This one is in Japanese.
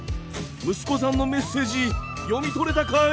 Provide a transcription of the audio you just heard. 息子さんのメッセージ読み取れたかい？